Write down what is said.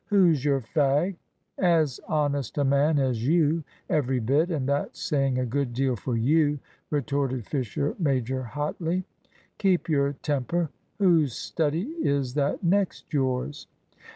Who's your fag?" "As honest a man as you, every bit, and that's saying a good deal for you," retorted Fisher major, hotly. "Keep your temper. Who's study is that next yours?"